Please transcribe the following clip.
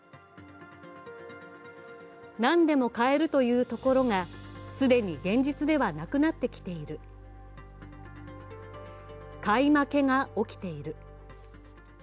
何でも買えるというところが既に現実ではなくなってきている、買い負けが起きている。